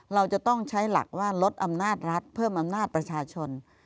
เราจะต้องใช้หลักว่าลดอำนาจรัฐเพิ่มอำนาจประชาชน